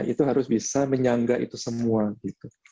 itu harus bisa menyangga itu semua gitu